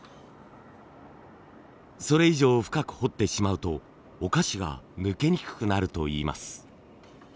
それ以上深く彫ってしまうとお菓子が抜けにくくなるといいます。